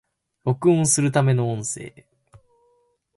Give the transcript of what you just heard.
録音するための音声